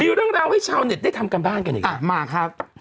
วิวต้องเล่าให้ชาวเน็ตได้ทำการบ้านกันอีกครับ